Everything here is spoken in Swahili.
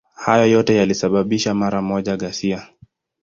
Hayo yote yalisababisha mara moja ghasia.